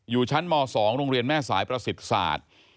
อยู่ชั้นม๒โรงเรียนแม่สายประสิทธิ์ศาสตร์